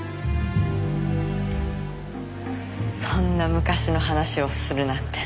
そんな昔の話をするなんて。